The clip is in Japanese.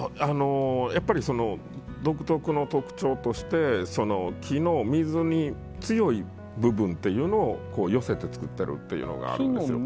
やっぱり独特の特徴として木の水に強い部分っていうのを寄せて作ってるっていうのがあるんですよ。